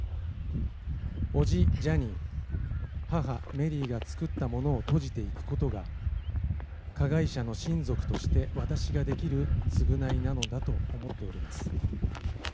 おじ、ジャニー、母、メリーが作ったものを閉じていくことが、加害者の親族として私ができる償いなのだと思っております。